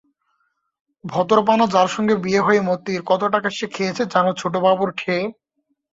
ভদরপানা যার সঙ্গে বিয়ে হয় মতির, কত টাকা সে খেয়েছে জানো ছোটবাবুর ঠেয়ে?